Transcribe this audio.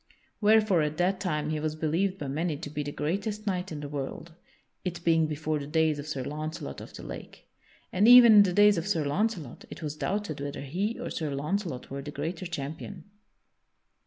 Wherefore at that time he was believed by many to be the greatest knight in the world (it being before the days of Sir Launcelot of the Lake), and even in the days of Sir Launcelot it was doubted whether he or Sir Launcelot were the greater champion.